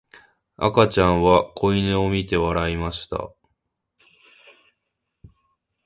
赤ちゃんは子犬を見て笑いました。